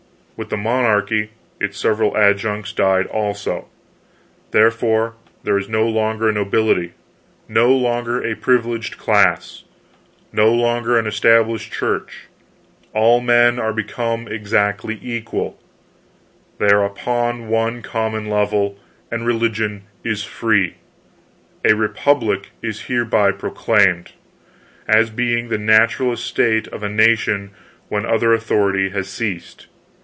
With the monarchy, its several adjuncts died also; wherefore there is no longer a nobility, no longer a privileged class, no longer an Established Church; all men are become exactly equal; they are upon one common level, and religion is free. A Republic is hereby proclaimed, as being the natural estate of a nation when other authority has ceased.